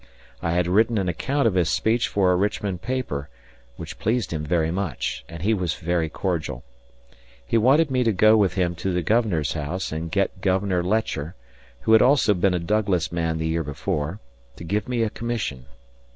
I had written an account of his speech for a Richmond paper, which pleased him very much, and he was very cordial. He wanted me to go with him to the governor's house and get Governor Letcher, who had also been a Douglas man the year before, to give me a commission.